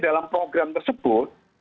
dalam program tersebut